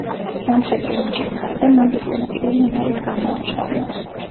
სამხედრო ნიჭის გარდა, მან დიპლომატიური უნარიც გამოამჟღავნა.